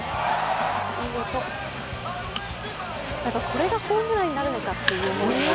これがホームランになるのかっていう。